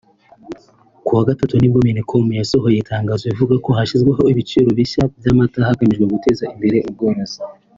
Ku wa Gatatu nibwo Minicom yasohoye itangazo ivuga ko hashyizweho ibiciro bishya by’amata hagamijwe guteza imbere umworozi